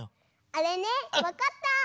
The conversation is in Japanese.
あれねわかった！